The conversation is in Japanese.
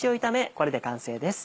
これで完成です。